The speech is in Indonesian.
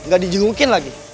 gak di jengukin lagi